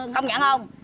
không nhận không